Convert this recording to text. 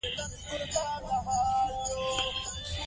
د کولمو مایکروبیوم د معافیت سیستم هم تقویه کوي.